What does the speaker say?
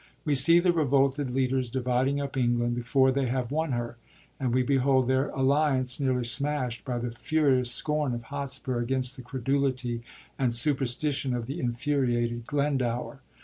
We see the revolted leaders dividing up England before they have won her, and we behold their alliance nearly smasht by the furious scorn of Hotspur against the credulity and superstition of the infuriated Glendower.